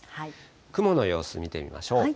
雲の様子見てみましょう。